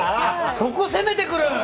そこ攻めてくる？